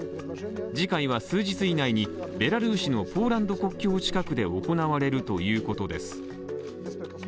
次回は数日以内に、ベラルーシのポーランド国境近くで行われるということです。